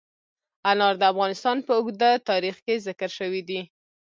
انار د افغانستان په اوږده تاریخ کې ذکر شوی دی.